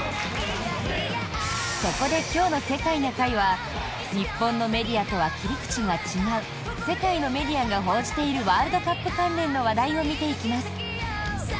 そこで今日の「世界な会」は日本のメディアとは切り口が違う世界のメディアが報じているワールドカップ関連の話題を見ていきます。